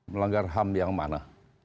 melanggar ham yang mana